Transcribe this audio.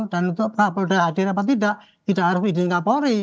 dan untuk pak kapoldo hadir atau tidak tidak harus izin kapolri